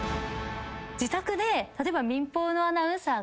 自宅で例えば。